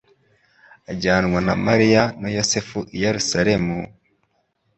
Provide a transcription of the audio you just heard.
ajyanwa na Mariya na Yosefu i Yerusalemu;